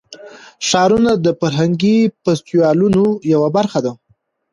ښارونه د فرهنګي فستیوالونو یوه برخه ده.